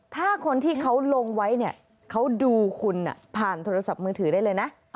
ถ้าคนที่เขาลงไว้เนี่ยเขาดูคุณผ่านโทรศัพท์มือถือได้เลยนะ